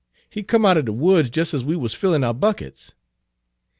"He come out er de woods jest ez we wuz fillin' our buckets."